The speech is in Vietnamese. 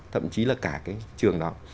thậm chí là cả cái trường đó